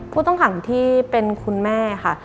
ผู้ต้องขังที่เป็นคุณแม่ค่ะ